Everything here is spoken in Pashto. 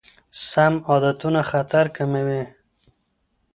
سم عادتونه خطر کموي.